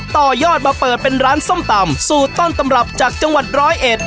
ต่อยอดมาเปิดเป็นร้านส้มตำสูตรต้นตำรับจากจังหวัดร้อยเอ็ด